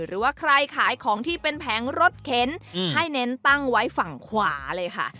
หรือว่าใครขายของที่เป็นแผงรถเข็นให้เน้นตั้งไว้ฝั่งขวาเลยค่ะ